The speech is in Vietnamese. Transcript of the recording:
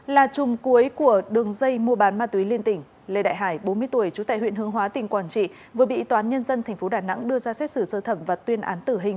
là trùng cuối của đường dây mua bán ma túy liên tỉnh lê đại hải bốn mươi tuổi trú tại huyện hương hóa tỉnh quảng trị vừa bị toán nhân dân tp hcm